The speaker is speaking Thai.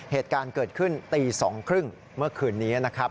เหตุการณ์เกิดขึ้นตี๒๓๐เมื่อคืนนี้นะครับ